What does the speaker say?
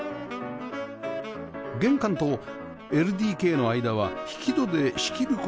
玄関と ＬＤＫ の間は引き戸で仕切る事ができます